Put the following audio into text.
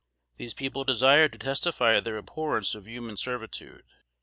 These people desired to testify their abhorrence of human servitude.